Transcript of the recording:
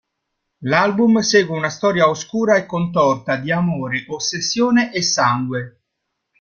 L'album segue una storia oscura e contorta di amore, ossessione e sangue.